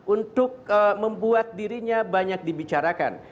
untuk membuat dirinya banyak dibicarakan